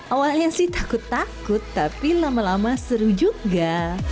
awalnya sih takut takut tapi lama lama seru juga